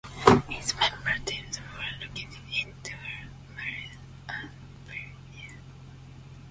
Its member teams were located in Delaware, Maryland and Virginia.